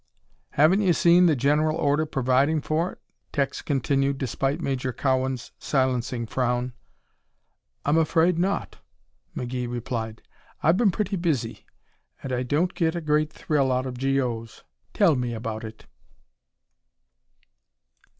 "Haven't you seen the General Order providing for it?" Tex continued, despite Major Cowan's silencing frown. "I'm afraid not," McGee replied. "I've been pretty busy and I don't get a great thrill out of G.O's. Tell me about it."